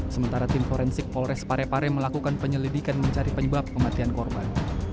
sementara tim forensik polres parepare melakukan penyelidikan mencari penyebab kematian korban